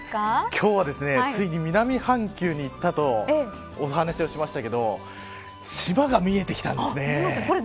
今日は、ついに南半球に行ったという話をしましたけど島が見えてきたんですね。